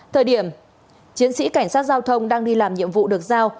thời điểm chiến sĩ cảnh sát giao thông đang đi làm nhiệm vụ được giao